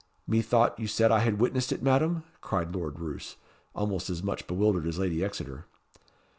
"Methought you said I had witnessed it, Madam?" cried Lord Roos, almost as much bewildered as Lady Exeter.